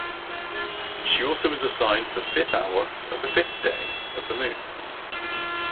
She also was assigned the fifth hour of the fifth day of the moon.